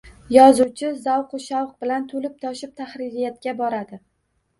Yozuvchi zavqu shavq bilan, toʻlib-toshib tahririyatga boradi